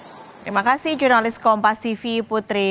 terima kasih jurnalis kompas tv putri